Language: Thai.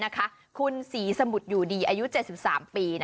คุณศรีสมุทรอยู่ดีอายุ๗๓ปี